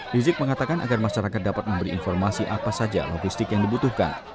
rizik mengatakan agar masyarakat dapat memberi informasi apa saja logistik yang dibutuhkan